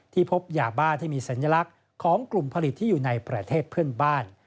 พบยาบ้าที่มีสัญลักษณ์ของกลุ่มผลิตที่อยู่ในประเทศเพื่อนบ้าน